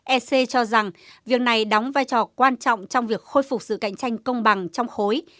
ec cho rằng việc này đóng vai trò quan trọng trong việc khôi phục sự cạnh tranh công bằng trong khối